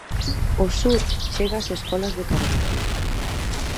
O surf chega ás escolas de Carballo.